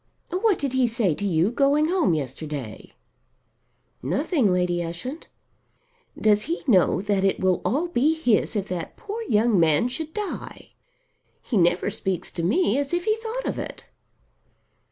What did he say to you going home yesterday?" "Nothing, Lady Ushant." "Does he know that it will all be his if that poor young man should die? He never speaks to me as if he thought of it."